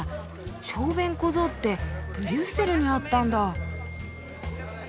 小便小僧ってブリュッセルにあったんだ。